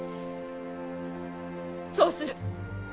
そうする。